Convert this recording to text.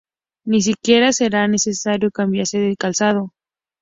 Ni siquiera será necesario cambiarse de calzado...""